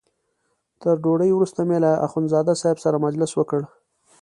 تر ډوډۍ وروسته مې له اخندزاده صاحب سره مجلس وکړ.